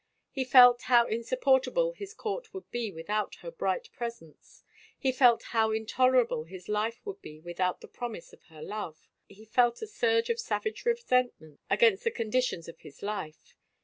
He felt how insupport able his court would be without her bright presence. He felt how intolerable his life would be without the promise of her love. He felt a surge of savage resent ment against the conditions of his life.